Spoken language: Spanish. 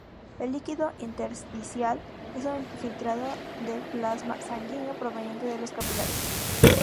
El líquido intersticial es un filtrado del plasma sanguíneo proveniente de los capilares.